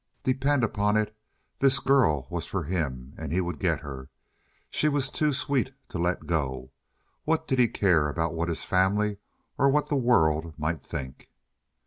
Depend upon it, this girl was for him, and he would get her. She was too sweet to let go. What did he care about what his family or the world might think?